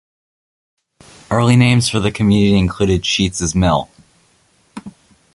Early names for the community included Sheetz's Mill.